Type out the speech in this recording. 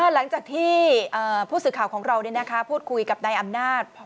หลังจากที่ผู้สื่อข่าวของเราพูดคุยกับนายอำนาจ